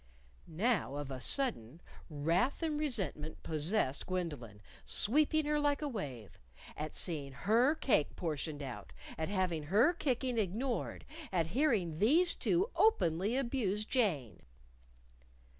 Now, of a sudden, wrath and resentment possessed Gwendolyn, sweeping her like a wave at seeing her cake portioned out; at having her kicking ignored; at hearing these two openly abuse Jane.